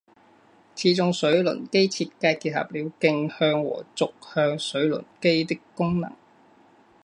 此种水轮机设计结合了径向和轴向水轮机的功能。